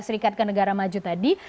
ke amerika serikat ke negara maju tadi